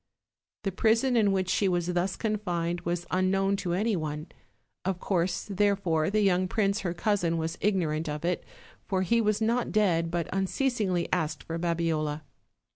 The prison in which she was thus confined was un known to any one; of course, therefore, the young prince her cousin was ignorant of it, for he was not dead, but unceasingly asked for Babiola.